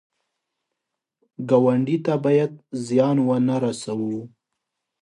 ګاونډي ته باید زیان ونه رسوو